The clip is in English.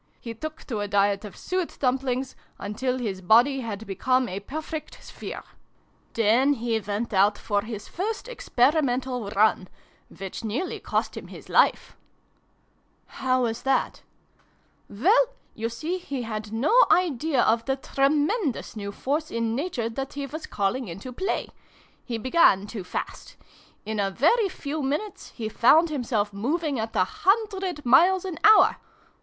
He took to a diet of suet dumplings, until his body had become a perfect sphere. Then 192 SYLVIE AND BRUNO CONCLUDED. he went out for his first experimental run which nearly cost him his life !"" How was " Well, you see, he had no idea of the tre mendoiis new Force in Nature that he was calling into play. He began too fast. In a very few minutes he found himself moving at a hundred miles an hour